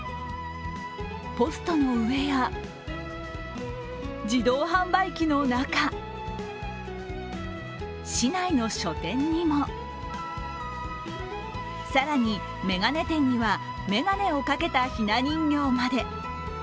ポストの上や、自動販売機の中、市内の書店にも更に、眼鏡店には眼鏡をかけたひな人形まで。